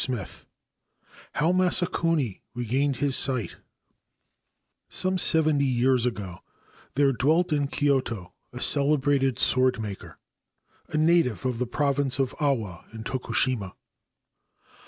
XXVI HOW MASAKUNI REGAINED HIS SIGHT ME seventy years ago there dwelt in Kyoto a celebrated ordmaker, a native of the province of Awa, in Toku ima.